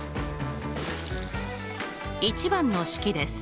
１番の式です。